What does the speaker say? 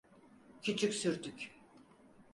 Küçük sürtük.